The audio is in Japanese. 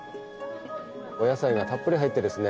お野菜がたっぷり入ってですね